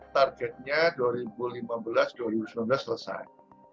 targetnya dua ribu lima belas dua ribu sembilan belas selesai